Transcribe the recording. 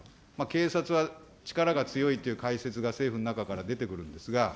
警察は力が強いって解説が政府の中から出てくるんですが。